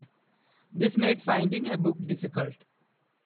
This made finding a book difficult.